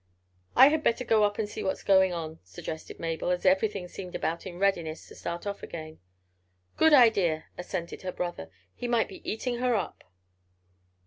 "I had better go up and see what's going on," suggested Mabel, as everything seemed about in readiness to start off again. "Good idea," assented her brother, "he might be eating her up."